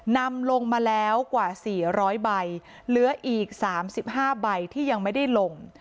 นำลงมาแล้วกว่า๔๐๐ใบเหลืออีก๓๕ใบที่ยังไม่ได้ลง